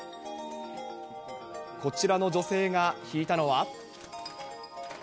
こちらの女性が引いたのは。